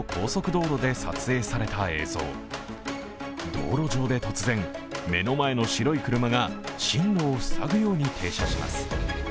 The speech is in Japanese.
道路上で突然、目の前の白い車が進路を塞ぐように停車します。